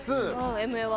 ＭＡ−１。